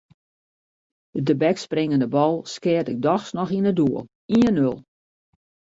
De tebekspringende bal skeat ik dochs noch yn it doel: ien-nul.